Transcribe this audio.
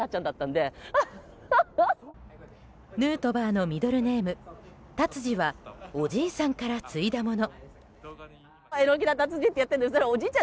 ヌートバーのミドルネーム達治はおじいさんから継いだもの。